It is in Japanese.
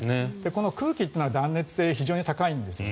空気というのは断熱性が非常に高いんですね。